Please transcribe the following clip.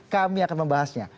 kami akan membahasnya